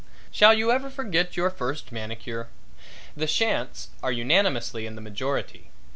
Shall you ever forget your first manicure? The shan'ts are unanimously in the majority.